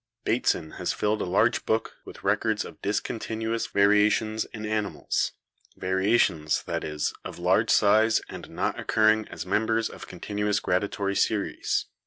Bateson has filled a large book with records of 'discontinuous variations' in animals; variations, that is, of large size and not occurring as members of continuous gradatory series.